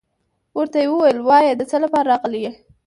ورته يې ويل وايه دڅه لپاره راغلى يي.